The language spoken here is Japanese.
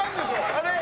あれ？